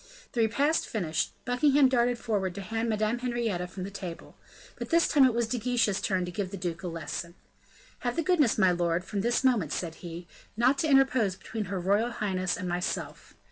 The repast finished, Buckingham darted forward to hand Madame Henrietta from the table; but this time it was De Guiche's turn to give the duke a lesson. "Have the goodness, my lord, from this moment," said he, "not to interpose between her royal highness and myself.